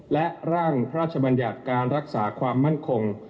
และร่างรัฐสาความมั่นคง